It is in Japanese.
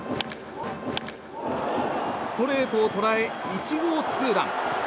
ストレートを捉え１号ツーラン。